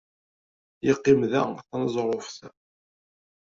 Yeqqim daɣ taneẓruft.